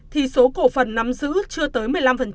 thì số cổ phần nắm giữ chưa tới một mươi năm